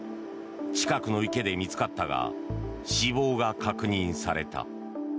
近くの池で見つかったが死亡が確認された。